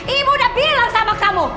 ibu udah bilang sama kamu